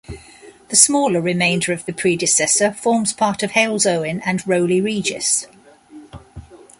The smaller remainder of the predecessor forms part of Halesowen and Rowley Regis.